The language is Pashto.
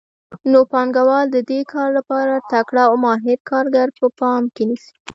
نو پانګوال د دې کار لپاره تکړه او ماهر کارګر په پام کې نیسي